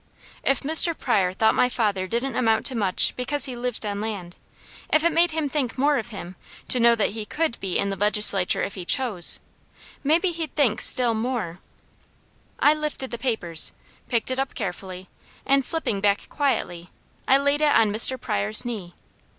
If Mr. Pryor thought my father didn't amount to much because he lived on land; if it made him think more of him, to know that he could be in the legislature if he chose, maybe he'd think still more I lifted the papers, picked it up carefully, and slipping back quietly, I laid it on Mr. Pryor's knee.